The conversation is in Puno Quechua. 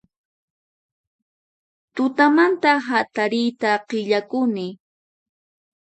Tutamanta hatariyta qillakuni